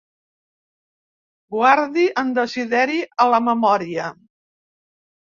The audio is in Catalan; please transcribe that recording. Guardi en Desideri a la memòria.